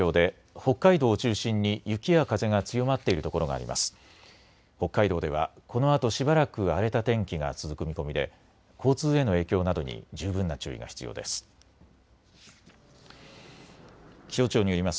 北海道ではこのあとしばらく荒れた天気が続く見込みで交通への影響などに十分な注意が必要です。